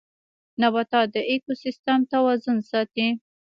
نباتات د ايکوسيستم توازن ساتي